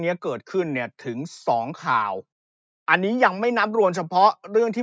เนี้ยเกิดขึ้นเนี่ยถึงสองข่าวอันนี้ยังไม่นับรวมเฉพาะเรื่องที่